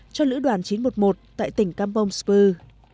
cho lữ đoàn chín trăm một mươi một tại tỉnh campong spur